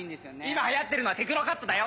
今流行ってるのはテクノカットだよ！